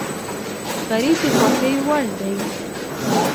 غریب د خوښۍ وړ دی